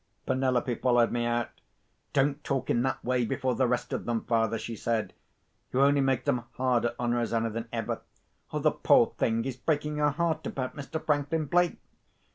Penelope followed me out. "Don't talk in that way before the rest of them, father," she said. "You only make them harder on Rosanna than ever. The poor thing is breaking her heart about Mr. Franklin Blake."